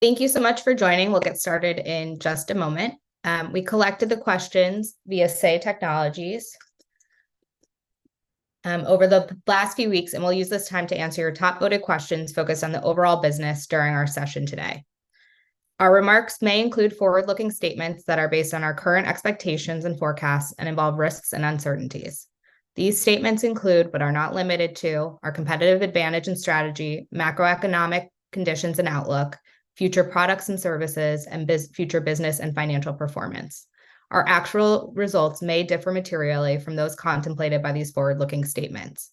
Thank you so much for joining. We'll get started in just a moment. We collected the questions via Say Technologies over the last few weeks, and we'll use this time to answer your top-voted questions focused on the overall business during our session today. Our remarks may include forward-looking statements that are based on our current expectations and forecasts and involve risks and uncertainties. These statements include, but are not limited to, our competitive advantage and strategy, macroeconomic conditions and outlook, future products and services, and future business and financial performance. Our actual results may differ materially from those contemplated by these forward-looking statements.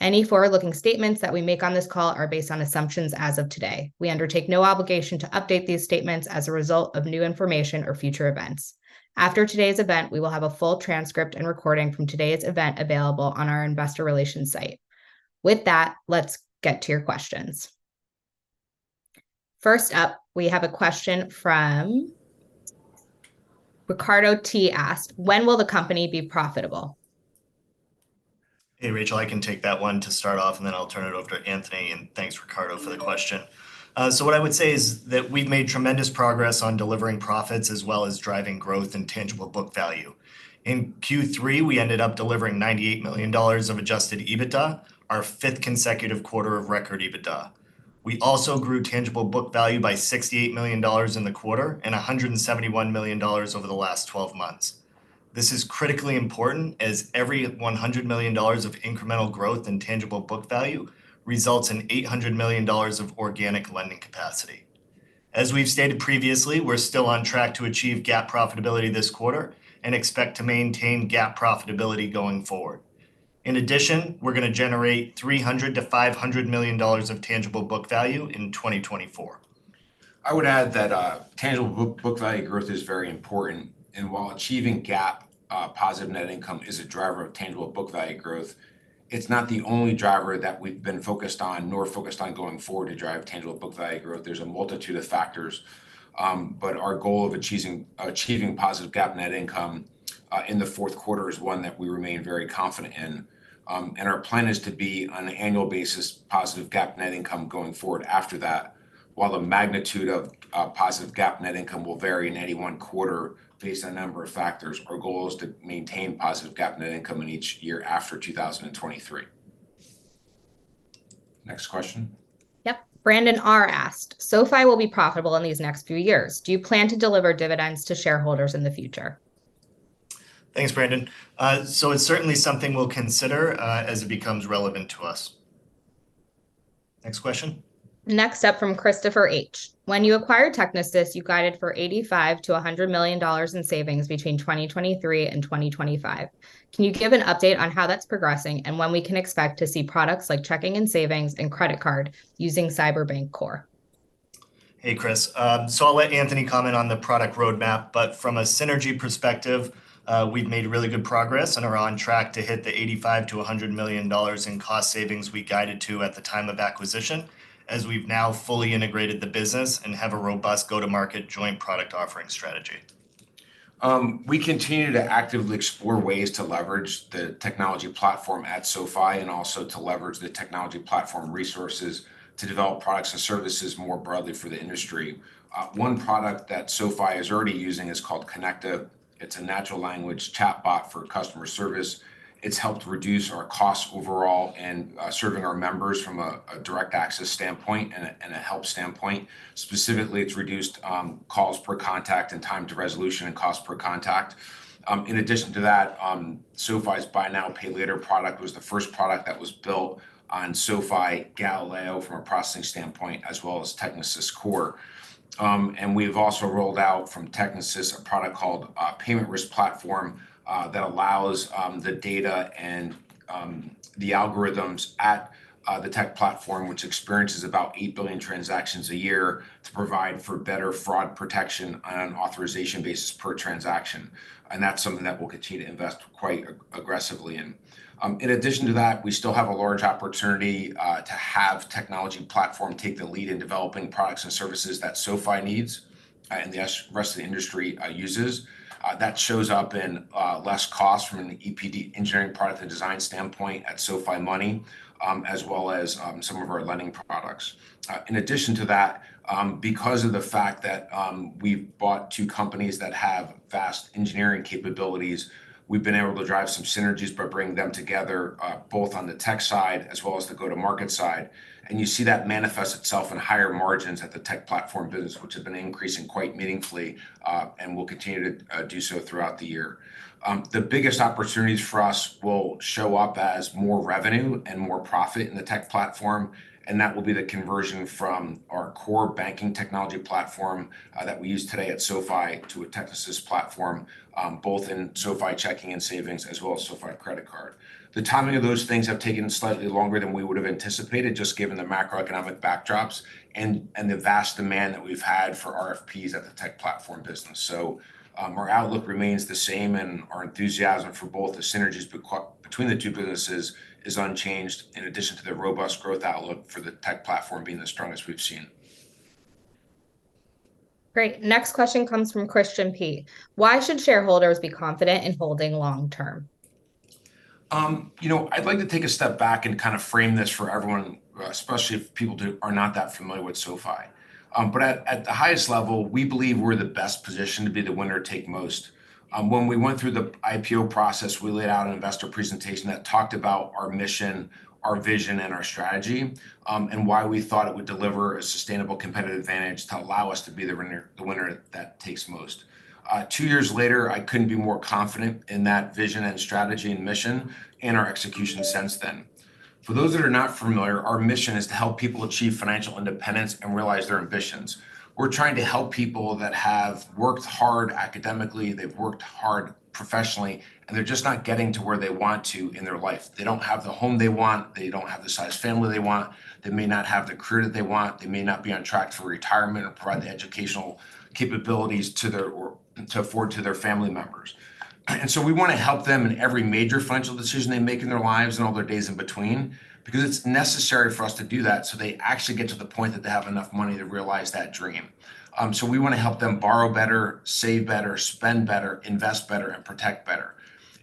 Any forward-looking statements that we make on this call are based on assumptions as of today. We undertake no obligation to update these statements as a result of new information or future events. After today's event, we will have a full transcript and recording from today's event available on our investor relations site. With that, let's get to your questions. First up, we have a question from Ricardo T. asked, "When will the company be profitable? Hey, Rachel, I can take that one to start off, and then I'll turn it over to Anthony, and thanks, Ricardo, for the question. So what I would say is that we've made tremendous progress on delivering profits, as well as driving growth and tangible book value. In Q3, we ended up delivering $98 million of adjusted EBITDA, our fifth consecutive quarter of record EBITDA. We also grew tangible book value by $68 million in the quarter, and $171 million over the last 12 months. This is critically important, as every $100 million of incremental growth and tangible book value results in $800 million of organic lending capacity. As we've stated previously, we're still on track to achieve GAAP profitability this quarter and expect to maintain GAAP profitability going forward. In addition, we're gonna generate $300 million-$500 million of tangible book value in 2024. I would add that, tangible book value growth is very important, and while achieving GAAP positive net income is a driver of tangible book value growth, it's not the only driver that we've been focused on, nor focused on going forward to drive tangible book value growth. There's a multitude of factors. But our goal of achieving positive GAAP net income in the fourth quarter is one that we remain very confident in. And our plan is to be, on an annual basis, positive GAAP net income going forward after that. While the magnitude of positive GAAP net income will vary in any one quarter based on a number of factors, our goal is to maintain positive GAAP net income in each year after 2023. Next question? Yep. Brandon R. asked, "SoFi will be profitable in these next few years. Do you plan to deliver dividends to shareholders in the future? Thanks, Brandon. So it's certainly something we'll consider, as it becomes relevant to us. Next question? Next up from Christopher H: "When you acquired Technisys, you guided for $85 million-$100 million in savings between 2023 and 2025. Can you give an update on how that's progressing, and when we can expect to see products like checking and savings and credit card using Cyberbank Core? Hey, Chris. So I'll let Anthony comment on the product roadmap, but from a synergy perspective, we've made really good progress and are on track to hit the $85 million-$100 million in cost savings we guided to at the time of acquisition, as we've now fully integrated the business and have a robust go-to-market joint product offering strategy. We continue to actively explore ways to leverage the technology platform at SoFi, and also to leverage the technology platform resources to develop products and services more broadly for the industry. One product that SoFi is already using is called Konecta. It's a natural language chatbot for customer service. It's helped reduce our costs overall and serving our members from a direct access standpoint and a help standpoint. Specifically, it's reduced costs per contact and time to resolution and cost per contact. In addition to that, SoFi's buy now, pay later product was the first product that was built on SoFi Galileo from a processing standpoint, as well as Technisys Core. And we've also rolled out from Technisys a product called Payment Risk Platform that allows the data and the algorithms at the tech platform, which experiences about 8 billion transactions a year, to provide for better fraud protection on an authorization basis per transaction, and that's something that we'll continue to invest quite aggressively in. In addition to that, we still have a large opportunity to have technology platform take the lead in developing products and services that SoFi needs, and the rest of the industry uses. That shows up in less cost from an EPD engineering product and design standpoint at SoFi Money, as well as some of our lending products. In addition to that, because of the fact that, we've bought two companies that have vast engineering capabilities, we've been able to drive some synergies by bringing them together, both on the tech side as well as the go-to-market side. You see that manifest itself in higher margins at the tech platform business, which have been increasing quite meaningfully, and will continue to do so throughout the year. The biggest opportunities for us will show up as more revenue and more profit in the tech platform, and that will be the conversion from our core banking technology platform, that we use today at SoFi to a Technisys platform, both in SoFi Checking and Savings, as well as SoFi Credit Card. The timing of those things have taken slightly longer than we would've anticipated, just given the macroeconomic backdrops and the vast demand that we've had for RFPs at the tech platform business. So, our outlook remains the same, and our enthusiasm for both the synergies between the two businesses is unchanged, in addition to the robust growth outlook for the tech platform being the strongest we've seen. Great. Next question comes from Christian P: "Why should shareholders be confident in holding long term? You know, I'd like to take a step back and kind of frame this for everyone, especially if people are not that familiar with SoFi. But at the highest level, we believe we're the best positioned to be the winner take most. When we went through the IPO process, we laid out an investor presentation that talked about our mission, our vision, and our strategy, and why we thought it would deliver a sustainable competitive advantage to allow us to be the winner, the winner that takes most. Two years later, I couldn't be more confident in that vision and strategy and mission and our execution since then. For those that are not familiar, our mission is to help people achieve financial independence and realize their ambitions. We're trying to help people that have worked hard academically, they've worked hard professionally, and they're just not getting to where they want to in their life. They don't have the home they want, they don't have the size family they want, they may not have the career that they want, they may not be on track for retirement or provide the educational capabilities to their or to afford to their family members. And so we want to help them in every major financial decision they make in their lives and all their days in between, because it's necessary for us to do that, so they actually get to the point that they have enough money to realize that dream. So we want to help them borrow better, save better, spend better, invest better, and protect better.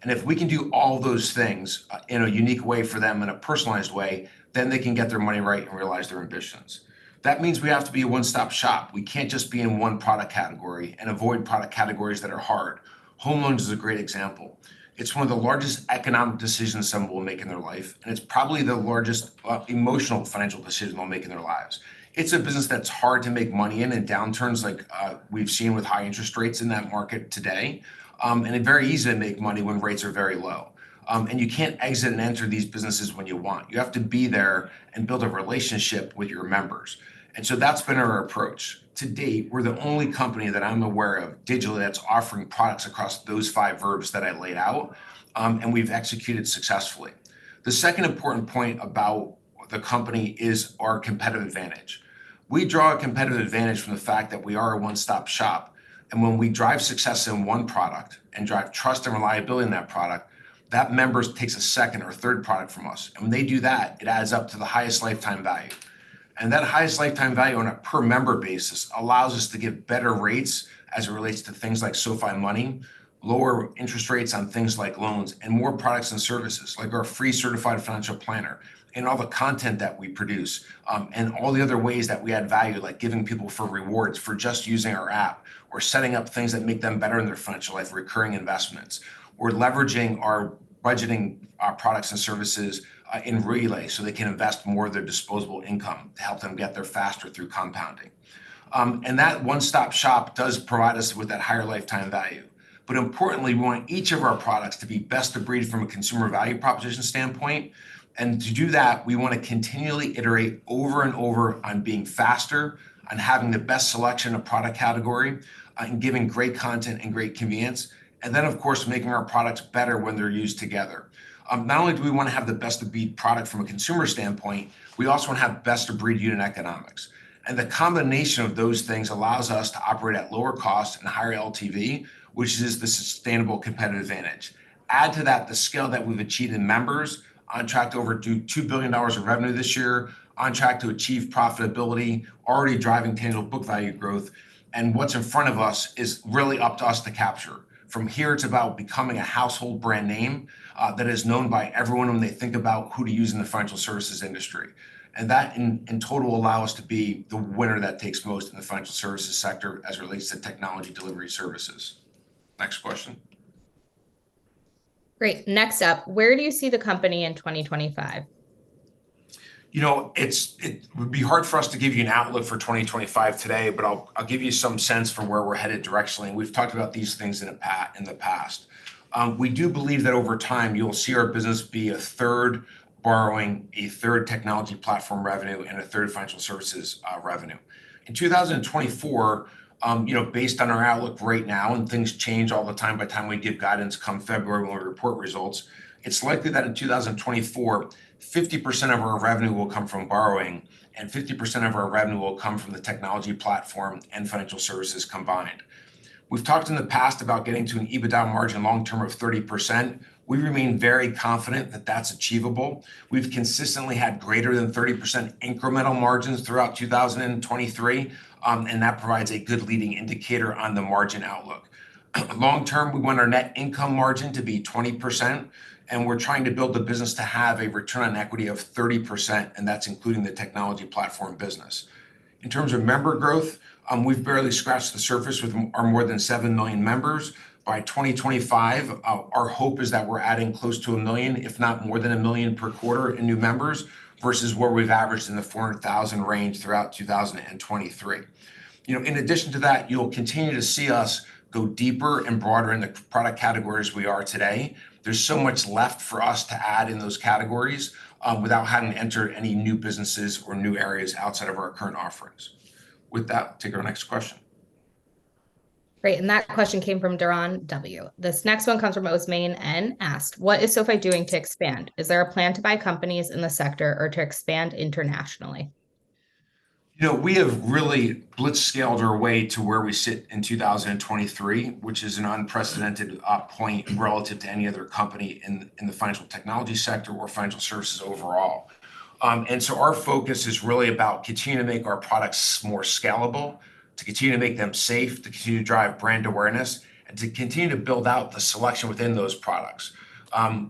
If we can do all those things in a unique way for them, in a personalized way, then they can get their money right and realize their ambitions. That means we have to be a one-stop shop. We can't just be in one product category and avoid product categories that are hard. Home loans is a great example. It's one of the largest economic decisions someone will make in their life, and it's probably the largest emotional financial decision they'll make in their lives. It's a business that's hard to make money in, in downturns like we've seen with high interest rates in that market today. And very easy to make money when rates are very low. And you can't exit and enter these businesses when you want. You have to be there and build a relationship with your members. So that's been our approach. To date, we're the only company that I'm aware of digitally that's offering products across those five verbs that I laid out, and we've executed successfully. The second important point about the company is our competitive advantage. We draw a competitive advantage from the fact that we are a one-stop shop, and when we drive success in one product and drive trust and reliability in that product, that members takes a second or third product from us. And when they do that, it adds up to the highest lifetime value. And that highest lifetime value on a per member basis allows us to give better rates as it relates to things like SoFi Money, lower interest rates on things like loans, and more products and services, like our free certified financial planner and all the content that we produce. And all the other ways that we add value, like giving people rewards for just using our app, or setting up things that make them better in their financial life, recurring investments. We're leveraging our budgeting, our products and services, in Relay, so they can invest more of their disposable income to help them get there faster through compounding. And that one-stop shop does provide us with that higher lifetime value. But importantly, we want each of our products to be best of breed from a consumer value proposition standpoint. And to do that, we want to continually iterate over and over on being faster, on having the best selection of product category, in giving great content and great convenience, and then, of course, making our products better when they're used together. Not only do we want to have the best-of-breed product from a consumer standpoint, we also want to have best-of-breed unit economics. And the combination of those things allows us to operate at lower cost and higher LTV, which is the sustainable competitive advantage. Add to that the scale that we've achieved in members, on track to do over $2 billion of revenue this year, on track to achieve profitability, already driving tangible book value growth. And what's in front of us is really up to us to capture. From here, it's about becoming a household brand name, that is known by everyone when they think about who to use in the financial services industry. And that, in, in total, will allow us to be the winner that takes most in the financial services sector as it relates to technology delivery services. Next question. Great! Next up, where do you see the company in 2025? You know, it's hard for us to give you an outlook for 2025 today, but I'll give you some sense for where we're headed directionally, and we've talked about these things in the past. We do believe that over time you'll see our business be a third borrowing, a third technology platform revenue, and a third financial services revenue. In 2024, you know, based on our outlook right now, and things change all the time by the time we give guidance come February, when we report results, it's likely that in 2024, 50% of our revenue will come from borrowing, and 50% of our revenue will come from the technology platform and financial services combined. We've talked in the past about getting to an EBITDA margin long term of 30%. We remain very confident that that's achievable. We've consistently had greater than 30% incremental margins throughout 2023, and that provides a good leading indicator on the margin outlook. Long term, we want our net income margin to be 20%, and we're trying to build the business to have a return on equity of 30%, and that's including the technology platform business. In terms of member growth, we've barely scratched the surface with our more than 7 million members. By 2025, our hope is that we're adding close to 1 million, if not more than 1 million per quarter in new members, versus where we've averaged in the 400,000 range throughout 2023. You know, in addition to that, you'll continue to see us go deeper and broader in the product categories we are today. There's so much left for us to add in those categories, without having to enter any new businesses or new areas outside of our current offerings. With that, take our next question. Great, and that question came from Duron W. This next one comes from Osman N. Asked: "What is SoFi doing to expand? Is there a plan to buy companies in the sector or to expand internationally? You know, we have really blitzscaled our way to where we sit in 2023, which is an unprecedented point relative to any other company in the financial technology sector or financial services overall. And so our focus is really about continuing to make our products more scalable, to continue to make them safe, to continue to drive brand awareness, and to continue to build out the selection within those products.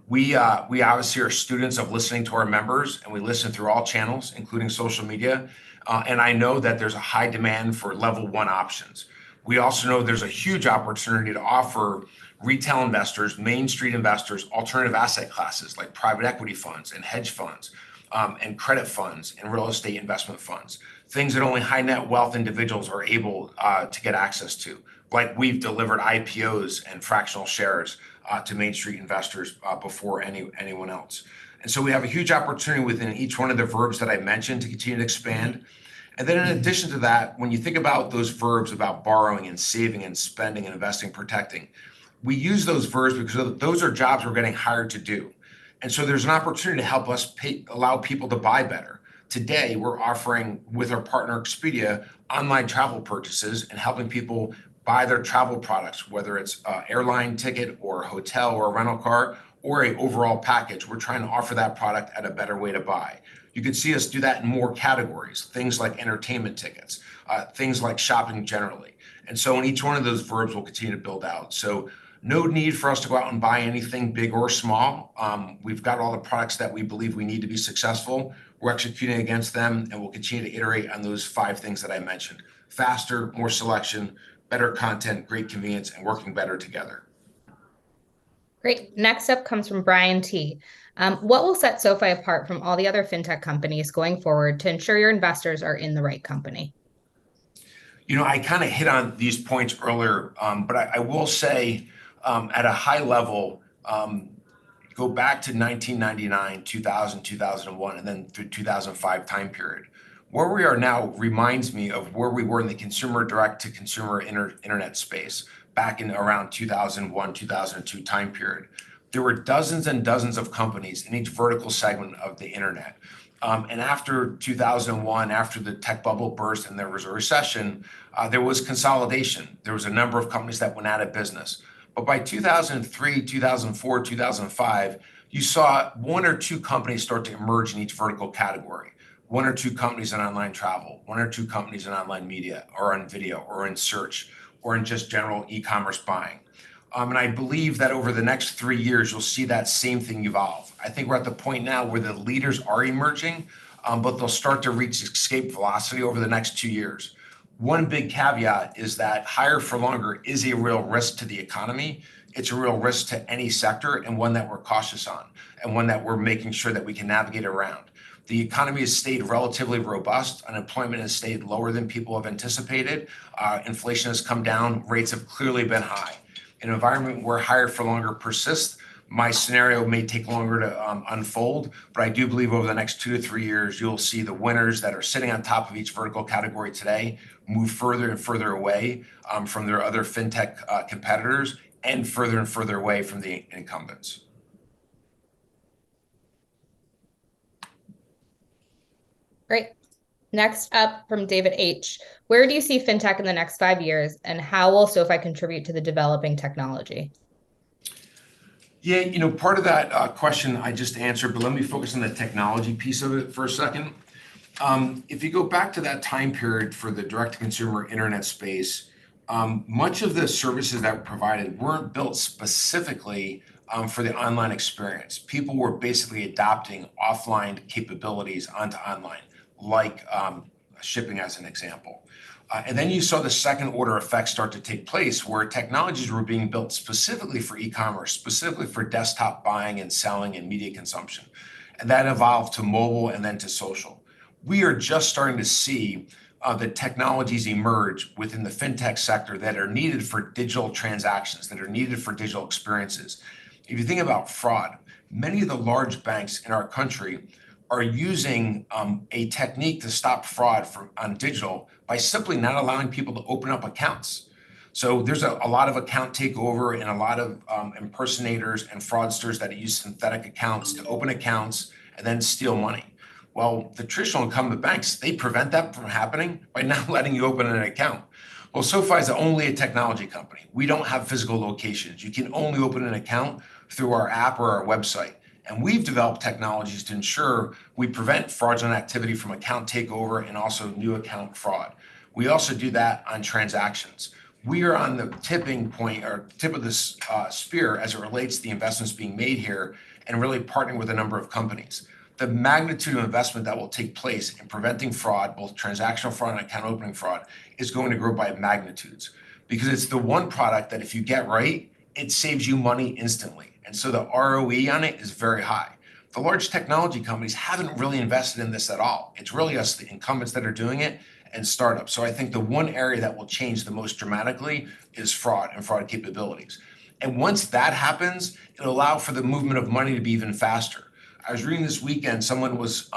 We obviously are students of listening to our members, and we listen through all channels, including social media, and I know that there's a high demand for level one options. We also know there's a huge opportunity to offer retail investors, Main Street investors, alternative asset classes, like private equity funds and hedge funds, and credit funds and real estate investment funds. Things that only high net wealth individuals are able to get access to. But we've delivered IPOs and fractional shares to Main Street investors before anyone else. And so we have a huge opportunity within each one of the verbs that I mentioned to continue to expand. And then in addition to that, when you think about those verbs, about borrowing and saving and spending and investing and protecting, we use those verbs because those are jobs we're getting hired to do. And so there's an opportunity to help us pay, allow people to buy better. Today, we're offering, with our partner, Expedia, online travel purchases and helping people buy their travel products, whether it's an airline ticket or a hotel or a rental car or an overall package. We're trying to offer that product at a better way to buy. You could see us do that in more categories, things like entertainment tickets, things like shopping generally. And so in each one of those verbs, we'll continue to build out. So no need for us to go out and buy anything big or small. We've got all the products that we believe we need to be successful. We're executing against them, and we'll continue to iterate on those five things that I mentioned: faster, more selection, better content, great convenience, and working better together. Great. Next up comes from Brian T: What will set SoFi apart from all the other fintech companies going forward to ensure your investors are in the right company? You know, I kinda hit on these points earlier, but I, I will say, at a high level, go back to 1999, 2000, 2001, and then through 2005 time period. Where we are now reminds me of where we were in the consumer-direct-to-consumer Internet space back in around 2001, 2002 time period. There were dozens and dozens of companies in each vertical segment of the Internet. After 2001, after the tech bubble burst and there was a recession, there was consolidation. There was a number of companies that went out of business. But by 2003, 2004, 2005, you saw one or two companies start to emerge in each vertical category. One or two companies in online travel, one or two companies in online media or in video or in search, or in just general e-commerce buying. And I believe that over the next three years, you'll see that same thing evolve. I think we're at the point now where the leaders are emerging, but they'll start to reach escape velocity over the next two years. One big caveat is that higher for longer is a real risk to the economy. It's a real risk to any sector and one that we're cautious on, and one that we're making sure that we can navigate around. The economy has stayed relatively robust. Unemployment has stayed lower than people have anticipated. Inflation has come down. Rates have clearly been high. In an environment where higher for longer persist, my scenario may take longer to unfold, but I do believe over the next two to three years, you'll see the winners that are sitting on top of each vertical category today move further and further away from their other fintech competitors and further and further away from the incumbents. Great. Next up from David H: Where do you see fintech in the next five years, and how will SoFi contribute to the developing technology? Yeah, you know, part of that question I just answered, but let me focus on the technology piece of it for a second. If you go back to that time period for the direct-to-consumer Internet space, much of the services that were provided weren't built specifically for the online experience. People were basically adopting offline capabilities onto online, like, shipping as an example. And then you saw the second-order effects start to take place, where technologies were being built specifically for e-commerce, specifically for desktop buying and selling and media consumption. And that evolved to mobile and then to social. We are just starting to see the technologies emerge within the fintech sector that are needed for digital transactions, that are needed for digital experiences. If you think about fraud, many of the large banks in our country are using a technique to stop fraud for, on digital by simply not allowing people to open up accounts. So there's a lot of account takeover and a lot of impersonators and fraudsters that use synthetic accounts to open accounts and then steal money. Well, the traditional incumbent banks, they prevent that from happening by not letting you open an account. Well, SoFi is only a technology company. We don't have physical locations. You can only open an account through our app or our website, and we've developed technologies to ensure we prevent fraudulent activity from account takeover and also new account fraud. We also do that on transactions. We are on the tipping point or tip of the spear as it relates to the investments being made here and really partnering with a number of companies. The magnitude of investment that will take place in preventing fraud, both transactional fraud and account opening fraud, is going to grow by magnitudes because it's the one product that, if you get right, it saves you money instantly, and so the ROE on it is very high. The large technology companies haven't really invested in this at all. It's really us, the incumbents, that are doing it, and startups. So I think the one area that will change the most dramatically is fraud and fraud capabilities. And once that happens, it'll allow for the movement of money to be even faster. I was reading this weekend, someone was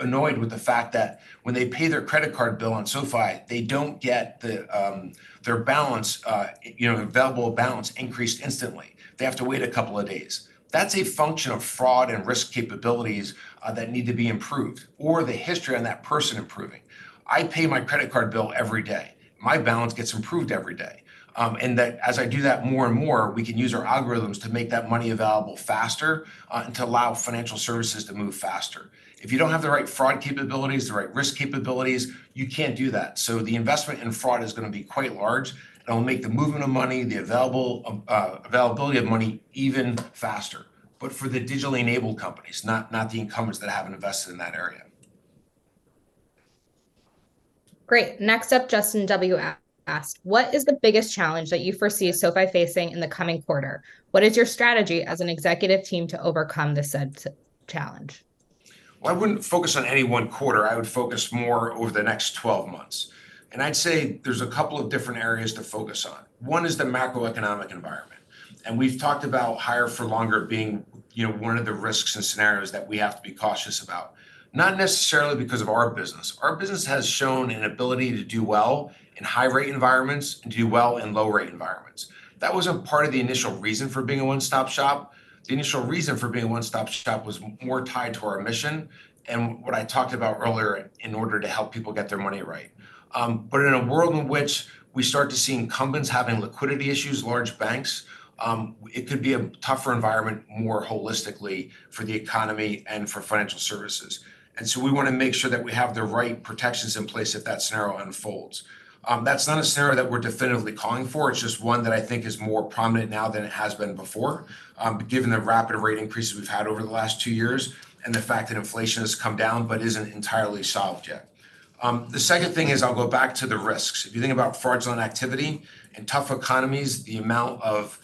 annoyed with the fact that when they pay their credit card bill on SoFi, they don't get their balance, you know, available balance increased instantly. They have to wait a couple of days. That's a function of fraud and risk capabilities that need to be improved or the history on that person improving. I pay my credit card bill every day. My balance gets improved every day. And that as I do that more and more, we can use our algorithms to make that money available faster, and to allow financial services to move faster. If you don't have the right fraud capabilities, the right risk capabilities, you can't do that. So the investment in fraud is gonna be quite large, and it'll make the movement of money, the available, availability of money, even faster, but for the digitally enabled companies, not, not the incumbents that haven't invested in that area. Great. Next up, Justin W. asked, "What is the biggest challenge that you foresee SoFi facing in the coming quarter? What is your strategy as an executive team to overcome this said challenge? Well, I wouldn't focus on any one quarter, I would focus more over the next twelve months. And I'd say there's a couple of different areas to focus on. One is the macroeconomic environment, and we've talked about higher for longer being, you know, one of the risks and scenarios that we have to be cautious about. Not necessarily because of our business. Our business has shown an ability to do well in high-rate environments and do well in low-rate environments. That was a part of the initial reason for being a one-stop shop. The initial reason for being a one-stop shop was more tied to our mission and what I talked about earlier, in order to help people get their money right. But in a world in which we start to see incumbents having liquidity issues, large banks, it could be a tougher environment, more holistically for the economy and for financial services. And so we want to make sure that we have the right protections in place if that scenario unfolds. That's not a scenario that we're definitively calling for, it's just one that I think is more prominent now than it has been before, given the rapid rate increases we've had over the last two years, and the fact that inflation has come down but isn't entirely solved yet. The second thing is, I'll go back to the risks. If you think about fraudulent activity, in tough economies, the amount of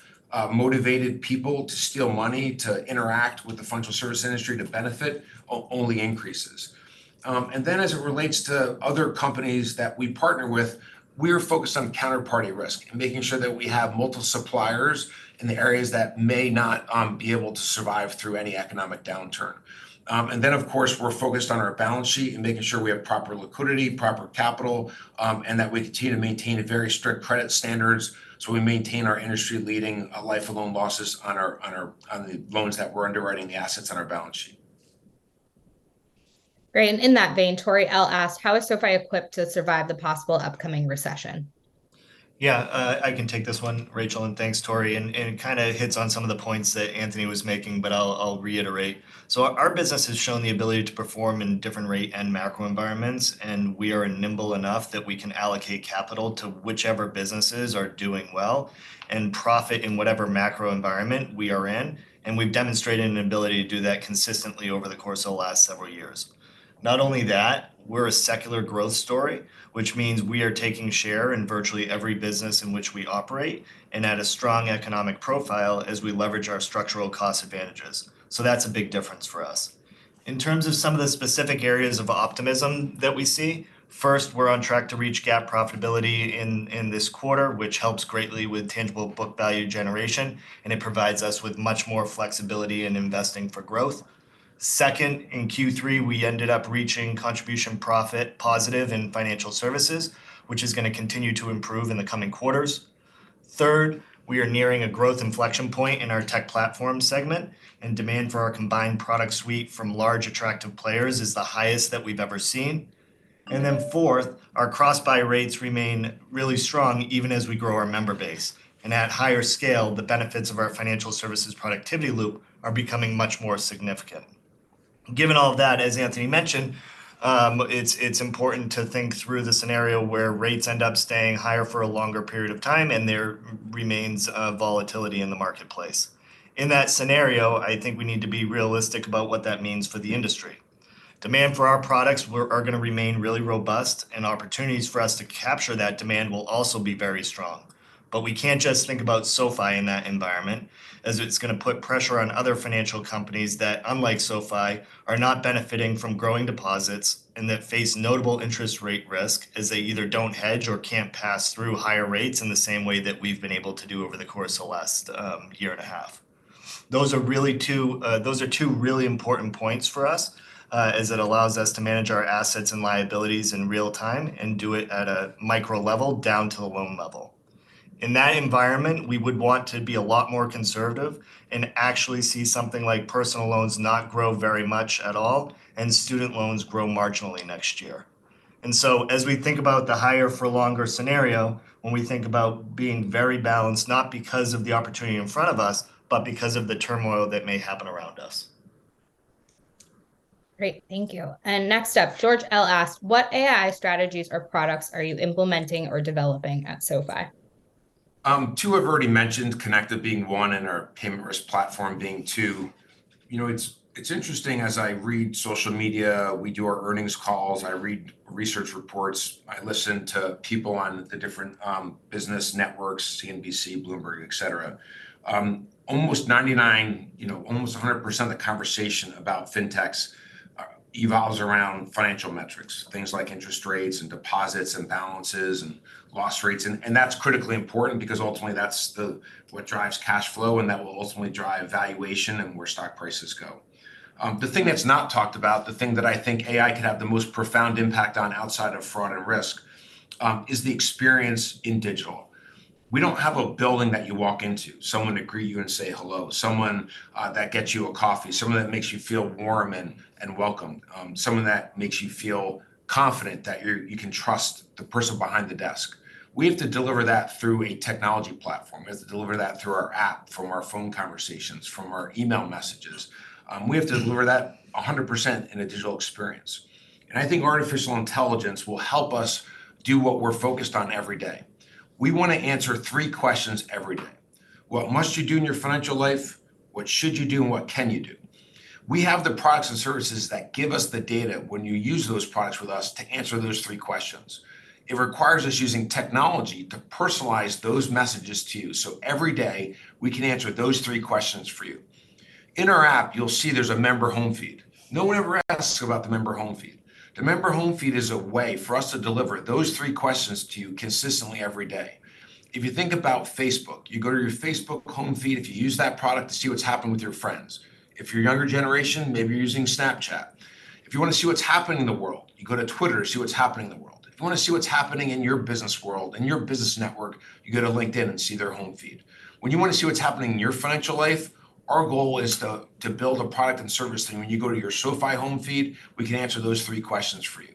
motivated people to steal money, to interact with the financial service industry to benefit, only increases. And then as it relates to other companies that we partner with, we're focused on counterparty risk and making sure that we have multiple suppliers in the areas that may not be able to survive through any economic downturn. And then, of course, we're focused on our balance sheet and making sure we have proper liquidity, proper capital, and that we continue to maintain a very strict credit standards, so we maintain our industry-leading life of loan losses on the loans that we're underwriting the assets on our balance sheet. Great. And in that vein, Tori L. asked, "How is SoFi equipped to survive the possible upcoming recession? Yeah, I can take this one, Rachel, and thanks, Tori. And it kinda hits on some of the points that Anthony was making, but I'll reiterate. So our business has shown the ability to perform in different rate and macro environments, and we are nimble enough that we can allocate capital to whichever businesses are doing well and profit in whatever macro environment we are in. And we've demonstrated an ability to do that consistently over the course of the last several years. Not only that, we're a secular growth story, which means we are taking share in virtually every business in which we operate, and at a strong economic profile as we leverage our structural cost advantages. So that's a big difference for us. In terms of some of the specific areas of optimism that we see, first, we're on track to reach GAAP profitability in this quarter, which helps greatly with tangible book value generation, and it provides us with much more flexibility in investing for growth. Second, in Q3, we ended up reaching contribution profit positive in financial services, which is going to continue to improve in the coming quarters. Third, we are nearing a growth inflection point in our tech platform segment, and demand for our combined product suite from large attractive players is the highest that we've ever seen. And then fourth, our cross-buy rates remain really strong, even as we grow our member base. And at higher scale, the benefits of our Financial Services Productivity Loop are becoming much more significant. Given all of that, as Anthony mentioned, it's important to think through the scenario where rates end up staying higher for a longer period of time, and there remains a volatility in the marketplace. In that scenario, I think we need to be realistic about what that means for the industry. Demand for our products are going to remain really robust, and opportunities for us to capture that demand will also be very strong. But we can't just think about SoFi in that environment, as it's going to put pressure on other financial companies that, unlike SoFi, are not benefiting from growing deposits, and that face notable interest rate risk, as they either don't hedge or can't pass through higher rates in the same way that we've been able to do over the course of the last year and a half. Those are really two. Those are two really important points for us, as it allows us to manage our assets and liabilities in real time and do it at a micro level, down to the loan level. In that environment, we would want to be a lot more conservative and actually see something like personal loans not grow very much at all, and student loans grow marginally next year. And so as we think about the higher for longer scenario, when we think about being very balanced, not because of the opportunity in front of us, but because of the turmoil that may happen around us. Great, thank you. Next up, George L. asked: "What AI strategies or products are you implementing or developing at SoFi? Two I've already mentioned, Konecta being one and our Payment Risk Platform being two. You know, it's interesting, as I read social media, we do our earnings calls, I read research reports, I listen to people on the different business networks, CNBC, Bloomberg, et cetera. Almost 99, you know, almost 100% of the conversation about fintechs evolves around financial metrics. Things like interest rates and deposits and balances and loss rates, and that's critically important because ultimately, that's what drives cash flow, and that will ultimately drive valuation and where stock prices go. The thing that's not talked about, the thing that I think AI could have the most profound impact on, outside of fraud and risk, is the experience in digital. We don't have a building that you walk into, someone to greet you and say hello, someone that gets you a coffee, someone that makes you feel warm and welcomed, someone that makes you feel confident that you can trust the person behind the desk. We have to deliver that through a technology platform. We have to deliver that through our app, from our phone conversations, from our email messages. We have to deliver that 100% in a digital experience. And I think artificial intelligence will help us do what we're focused on every day. We want to answer three questions every day: What must you do in your financial life? What should you do, and what can you do? We have the products and services that give us the data when you use those products with us to answer those three questions. It requires us using technology to personalize those messages to you, so every day we can answer those three questions for you. In our app, you'll see there's a member home feed. No one ever asks about the member home feed. The member home feed is a way for us to deliver those three questions to you consistently every day. If you think about Facebook, you go to your Facebook home feed if you use that product, to see what's happening with your friends. If you're younger generation, maybe you're using Snapchat. If you wanna see what's happening in the world, you go to Twitter to see what's happening in the world. If you wanna see what's happening in your business world, in your business network, you go to LinkedIn and see their home feed. When you wanna see what's happening in your financial life, our goal is to build a product and service so when you go to your SoFi home feed, we can answer those three questions for you.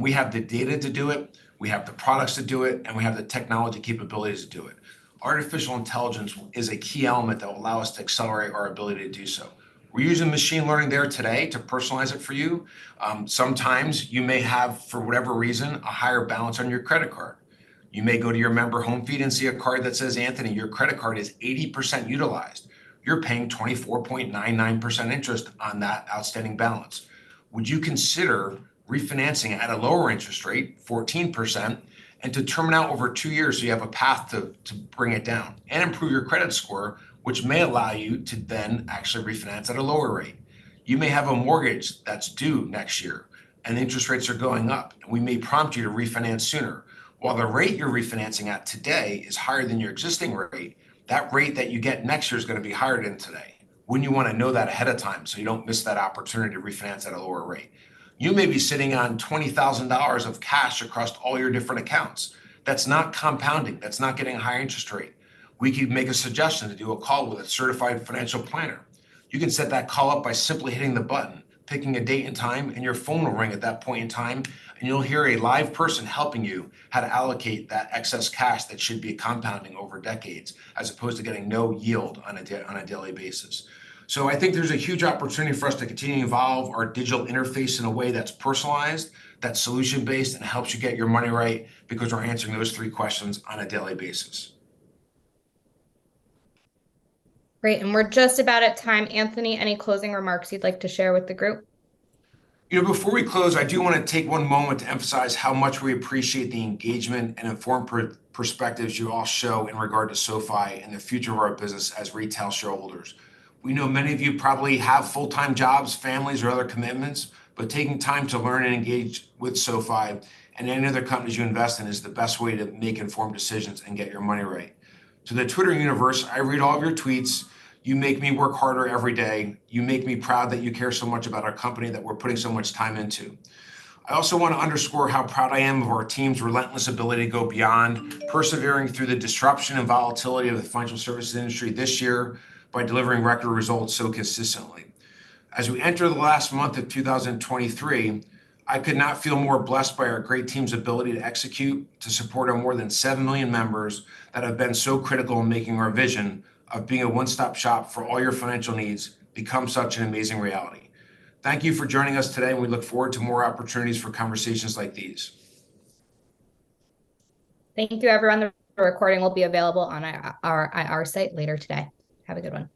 We have the data to do it, we have the products to do it, and we have the technology capabilities to do it. Artificial intelligence is a key element that will allow us to accelerate our ability to do so. We're using machine learning there today to personalize it for you. Sometimes you may have, for whatever reason, a higher balance on your credit card. You may go to your member home feed and see a card that says, "Anthony, your credit card is 80% utilized. You're paying 24.99% interest on that outstanding balance. Would you consider refinancing at a lower interest rate, 14%, and to term it out over two years so you have a path to, to bring it down and improve your credit score, which may allow you to then actually refinance at a lower rate?" You may have a mortgage that's due next year, and interest rates are going up, and we may prompt you to refinance sooner. While the rate you're refinancing at today is higher than your existing rate, that rate that you get next year is gonna be higher than today. Wouldn't you wanna know that ahead of time, so you don't miss that opportunity to refinance at a lower rate? You may be sitting on $20,000 of cash across all your different accounts. That's not compounding, that's not getting a higher interest rate. We could make a suggestion to do a call with a certified financial planner. You can set that call up by simply hitting the button, picking a date and time, and your phone will ring at that point in time, and you'll hear a live person helping you how to allocate that excess cash that should be compounding over decades, as opposed to getting no yield on a daily basis. So I think there's a huge opportunity for us to continue to evolve our digital interface in a way that's personalized, that's solution-based, and helps you get your money right, because we're answering those three questions on a daily basis. Great, and we're just about at time. Anthony, any closing remarks you'd like to share with the group? You know, before we close, I do wanna take one moment to emphasize how much we appreciate the engagement and informed perspectives you all show in regard to SoFi and the future of our business as retail shareholders. We know many of you probably have full-time jobs, families, or other commitments, but taking time to learn and engage with SoFi and any other companies you invest in is the best way to make informed decisions and get your money right. To the Twitter universe, I read all of your tweets. You make me work harder every day. You make me proud that you care so much about our company that we're putting so much time into. I also want to underscore how proud I am of our team's relentless ability to go beyond, persevering through the disruption and volatility of the financial services industry this year, by delivering record results so consistently. As we enter the last month of 2023, I could not feel more blessed by our great team's ability to execute, to support our more than 7 million members that have been so critical in making our vision of being a one-stop shop for all your financial needs become such an amazing reality. Thank you for joining us today, and we look forward to more opportunities for conversations like these. Thank you, everyone. The recording will be available on our IR site later today. Have a good one.